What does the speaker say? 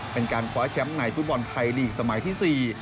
เป็นการคว้าแชมป์ในฟุตบอลไทยลีกสมัยที่๔